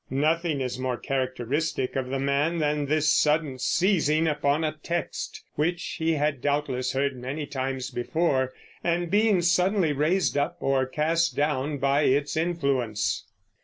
Nothing is more characteristic of the man than this sudden seizing upon a text, which he had doubtless heard many times before, and being suddenly raised up or cast down by its influence.